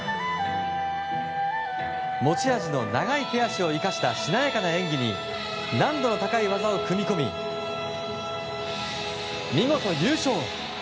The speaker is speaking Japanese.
持ち味の長い手足を生かしたしなやかな演技に難度の高い技を組み込み見事、優勝。